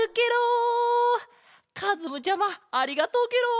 かずむちゃまありがとうケロ！